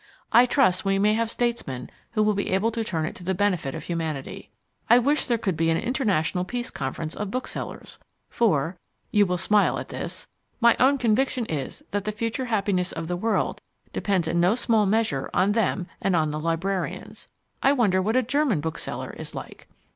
I trust we may have statesmen who will be able to turn it to the benefit of humanity. I wish there could be an international peace conference of booksellers, for (you will smile at this) my own conviction is that the future happiness of the world depends in no small measure on them and on the librarians. I wonder what a German bookseller is like?